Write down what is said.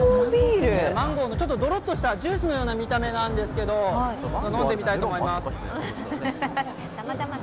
マンゴーのちょっとどろっとした、ジュースの見た目なんですけど、飲んでみたいと思います。